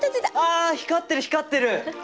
あ光ってる光ってる！